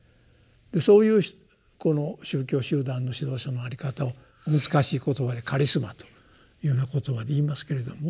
そういうこの宗教集団の指導者の在り方を難しい言葉で「カリスマ」というような言葉で言いますけれども。